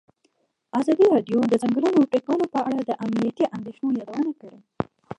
ازادي راډیو د د ځنګلونو پرېکول په اړه د امنیتي اندېښنو یادونه کړې.